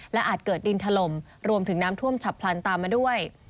อาจเกิดดินถล่มรวมถึงน้ำท่วมฉับพลันตามมาด้วย